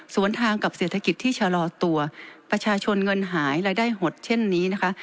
ส่วนทางกับเศรษฐกิจที่ชะลอตัวประชาชนเงินหายรายได้หดเช่นนี้นะคะ